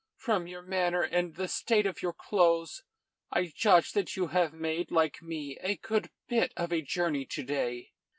From your manner and the state of your clothes, I judge that you have made, like me, a good bit of a journey to day."